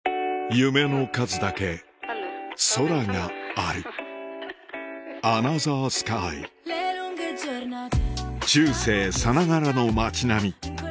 夢の数だけ空がある中世さながらの街並み